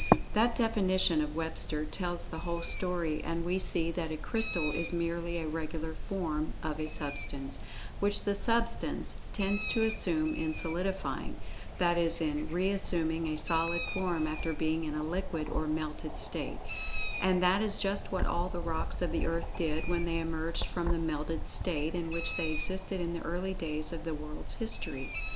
That definition of Webster tells the whole story, and we see that a "Crystal" is merely a "regular form" of a "Substance," which the substance "tends to assume in solidifying"—that is in re assuming a solid form after being in a liquid or melted state, and that is just what all the rocks of the earth did when they emerged from the melted state in which they existed in the early days of the world's history.